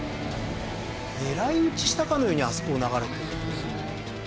狙い撃ちしたかのようにあそこを流れてる。